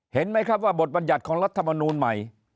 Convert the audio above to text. เห็นไหมครับว่าบทบรรยัติของรัฐมนูลใหม่